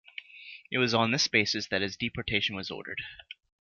It was on this basis that his deportation was ordered.